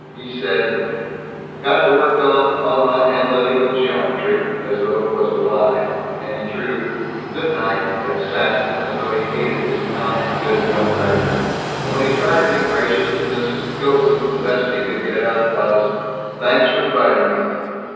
He said, "Got to work on on my analytical geometry," as though it was a lie; and he threw "Good night" at Saxton as though he hated his kind, good benefactor; and when he tried to be gracious to Mrs. Gilson the best he could get out was, "Thanks f' inviting me."